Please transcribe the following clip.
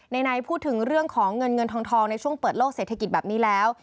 ไหนพูดถึงเรื่องของเงินเงินทองในช่วงเปิดโลกเศรษฐกิจแบบนี้แล้ว